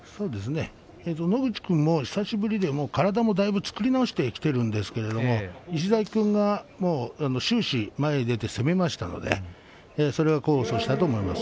野口君も久しぶりで体もだいぶ作り直してきているんですけれど石崎君が終始、前に出て攻めましたのでそれが功を奏したと思います。